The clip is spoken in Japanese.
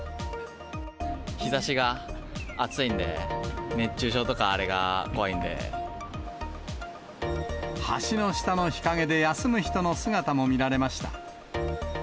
日ざしが暑いんで、熱中症と橋の下の日陰で休む人の姿も見られました。